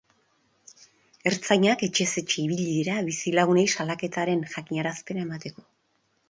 Ertzainak etxez etxe ibili dira bizilagunei salaketaren jakinarazpena emateko.